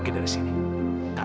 bereskan barang barang kamu sekarang